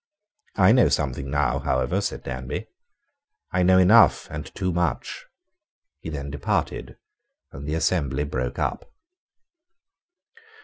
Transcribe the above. "I know something now, however," said Danby. "I know enough, and too much." He then departed; and the assembly broke up.